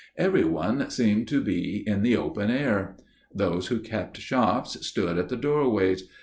Everyone seemed to be in the open air. Those who kept shops stood at the doorways.